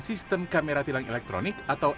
sistem kamera tilang elektronik atau